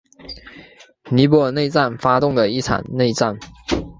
尼泊尔内战发动的一场内战。